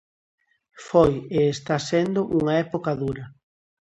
Foi e está sendo unha época dura.